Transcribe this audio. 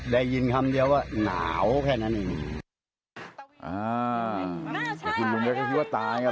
ได้ยินคำเดียวว่าหนาวแค่นั้นเองอ่าแต่คุณลุงแกก็คิดว่าตายอ่ะ